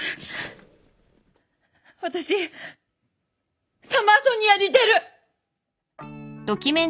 私サマーソニアに出る！